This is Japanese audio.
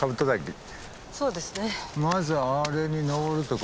そうですね。です。